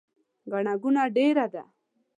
ګڼه ګوڼه ډیره ده